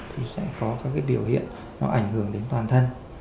thì sẽ có các cái biểu hiện nó ảnh hưởng đến toàn thân